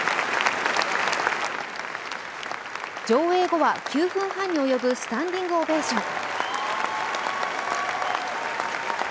上映後は９分半に及ぶスタンディングオベーション。